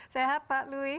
sehat pak lui